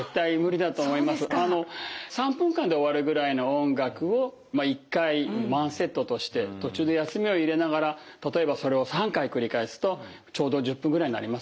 ３分間で終わるぐらいの音楽を１回ワンセットとして途中で休みを入れながら例えばそれを３回繰り返すとちょうど１０分ぐらいになりますのでね。